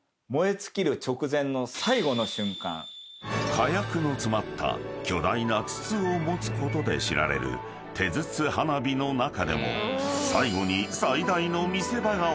［火薬の詰まった巨大な筒を持つことで知られる手筒花火の中でも最後に最大の見せ場が訪れる